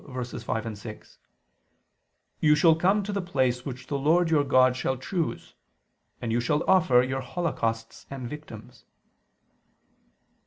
12:5, 6): "You shall come to the place which the Lord your God shall choose ... and you shall offer ... your holocausts and victims."